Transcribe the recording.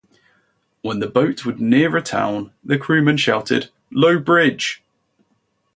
When the boat would near a town, the crewmen shouted: Low bridge!